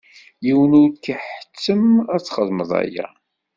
Yiwen ur k-iḥettem ad txedmeḍ aya.